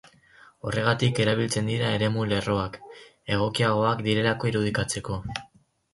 Horregatik erabiltzen dira eremu-lerroak, egokiagoak direlako irudikatzeko.